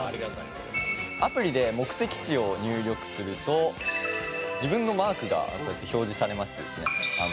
「アプリで目的地を入力すると自分のマークがこうやって表示されましてですね